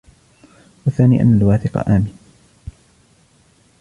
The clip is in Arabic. وَالثَّانِي أَنَّ الْوَاثِقَ آمِنٌ